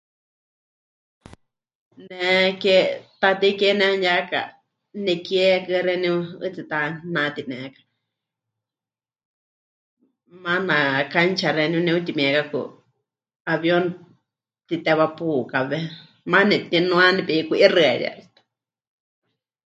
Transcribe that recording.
Ne ke... Taatei Kie nehanuyaka, nekie huukɨ́a xeeníu 'ɨtsitá ne'atineka, maana cancha xeeníu ne'utimiekaku hawiuni mɨtitewá pukáwe, maana nepɨtinua nepeikú'ixɨari hasta.